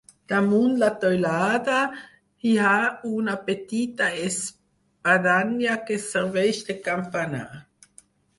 Damunt la teulada hi ha una petita espadanya que serveix de campanar.